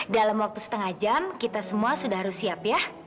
dalam waktu setengah jam kita semua sudah harus siap ya